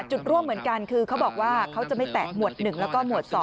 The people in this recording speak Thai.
จุดร่วมเหมือนกันคือเขาบอกว่าเขาจะไม่แตกหมวด๑แล้วก็หมวด๒